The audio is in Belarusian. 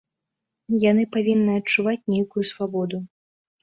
Яны павінны адчуваць нейкую свабоду.